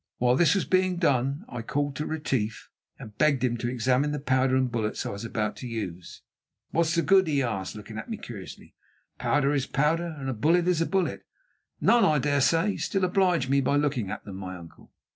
While this was being done I called to Retief, and begged him to examine the powder and bullets I was about to use. "What's the good?" he asked, looking at me curiously. "Powder is powder, and a bullet is a bullet." "None, I dare say. Still, oblige me by looking at them, my uncle."